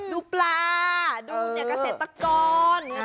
ดูปลาดูเนี่ยเกษตรกร